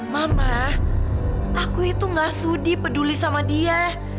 mama aku itu gak sudi peduli sama dia